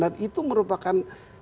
dan itu merupakan